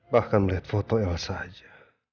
bahkan melihat foto yang saja